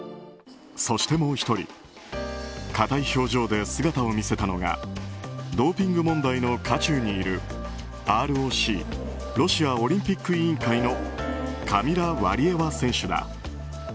そして、もう１人硬い表情で姿を見せたのがドーピング問題の渦中にいるＲＯＣ・ロシアオリンピック委員会のカミラ・ワリエワ選手だ。